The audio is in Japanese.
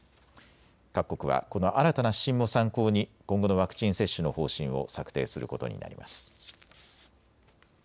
各国はこの新たな指針も参考に今後のワクチン接種の方針を策定することになります。